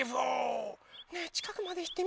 ねえちかくまでいってみてみない？